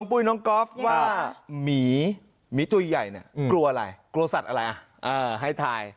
ปุ้ยน้องก๊อฟว่าหมีหมีตัวใหญ่เนี่ยกลัวอะไรกลัวสัตว์อะไรอ่ะให้ทาย